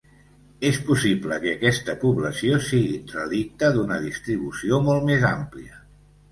És possible que aquesta població sigui relicte d'una distribució molt més àmplia.